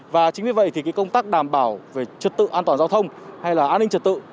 và chính vì vậy công tác đảm bảo về trực tự an toàn giao thông hay là an ninh trực tự